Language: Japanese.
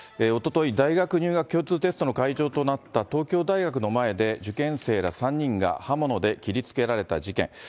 おととい、大学入学共通テストの会場となった東京大学の前で受験生ら３人が刃物で切りつけられた事件。